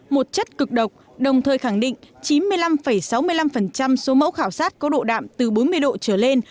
một chất cực độc đồng thời khẳng định chín mươi năm sáu mươi năm số mẫu khảo sát có độ đạm từ bốn mươi độ trở lên